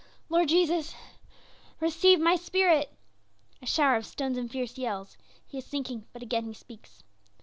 "Lord Jesus, receive my spirit." A shower of stones and fierce yells; he is sinking, but again he speaks.